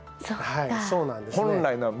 はいそうなんですね。本来なら。